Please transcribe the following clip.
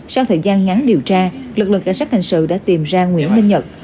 sau thời gian ngắn điều tra lực lượng cảnh sát hình sự đã tìm ra nguyễn minh nhật